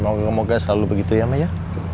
moga moga selalu begitu ya maya